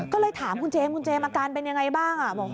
ก็เลยถามคุณเจมส์อาการเป็นอย่างไรบ้าง